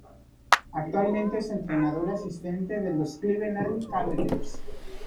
Actualmente es entrenador asistente de los Cleveland Cavaliers.